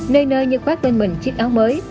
nơi nơi như quát bên mình chiếc áo mới